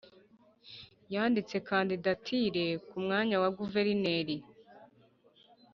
Yanditse Kandidatire ku mwanya wa guverineri